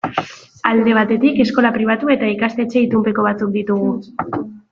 Alde batetik, eskola pribatu eta ikastetxe itunpeko batzuk ditugu.